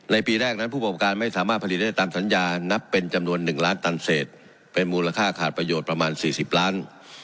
ปีแรกนั้นผู้ประกอบการไม่สามารถผลิตได้ตามสัญญานับเป็นจำนวน๑ล้านตันเศษเป็นมูลค่าขาดประโยชน์ประมาณ๔๐ล้าน